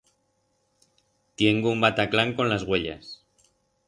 Tiengo un bataclán con las uellas.